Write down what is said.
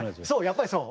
やっぱりそう？